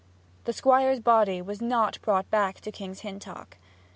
The Squire's body was not brought back to King's Hintock.